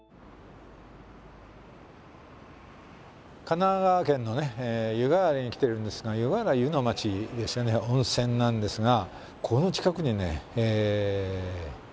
神奈川県の湯河原に来てるんですが湯河原は湯の町ですよね温泉なんですがこの近くにね幕山というのがあります。